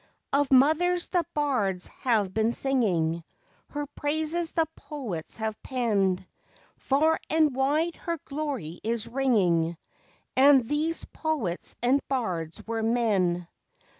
Of mothers the bards have been singing, Her praises the poets have penned, Far and wide her glory is ringing, And these poets and bards were men.